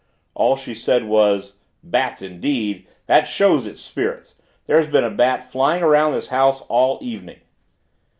All she said was, "Bats indeed! That shows it's spirits. There's been a bat flying around this house all evening."